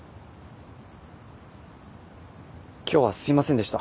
今日はすいませんでした。